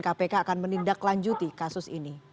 kpk akan menindaklanjuti kasus ini